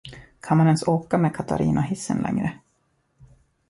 Kan man ens åka med Katarinahissen längre?